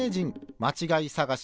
「まちがいさがし」